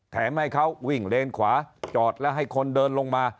แถมให้เขาวิ่งเลนขวาจอดแล้วให้คนเดินลงมา